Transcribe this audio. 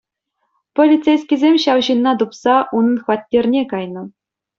Полицейскисем ҫав ҫынна тупса унӑн хваттерне кайнӑ.